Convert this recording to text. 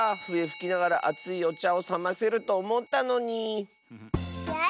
ふえふきながらあついおちゃをさませるとおもったのに。